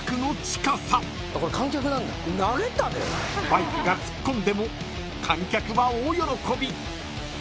［バイクが突っ込んでも観客は大喜び］